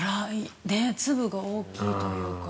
粒が大きいというか。